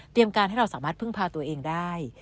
การให้เราสามารถพึ่งพาตัวเองได้